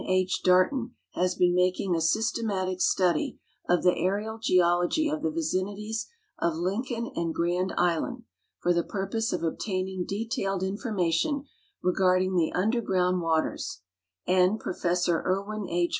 II. Darton has been making a sys tematic study of the areal geology of the vicinities of Lincoln and Grand Island for the ))urposeof obtaining detailed informa tion regarding the underground waters, and Professor Erwin II.